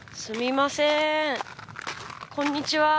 すみません